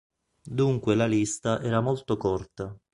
Dunque la lista era molto corta.